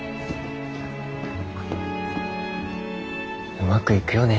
うまくいくよね